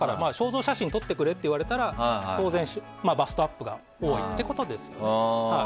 肖像写真を撮ってくれとなると当然、バストアップが多いってことですね。